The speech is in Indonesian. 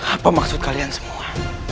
apa maksud kalian semua